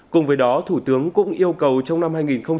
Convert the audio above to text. cùng với đó thủ tướng cũng yêu cầu trong năm hai nghìn hai mươi